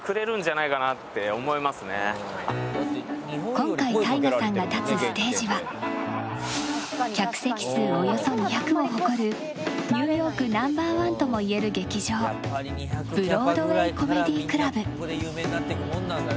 今回、ＴＡＩＧＡさんが立つステージは客席数およそ２００を誇るニューヨークナンバー１ともいえる劇場ブロードウェイ・コメディ・クラブ。